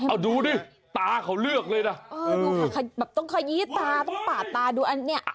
เอาดูดิตาเขาเลือกเลยนะต้องขยี้ตาต้องปะตาดูอันนี้